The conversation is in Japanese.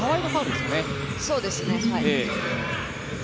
そうですね。